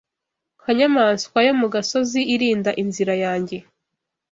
Nka nyamaswa yo mu gasozi irinda inzira yanjye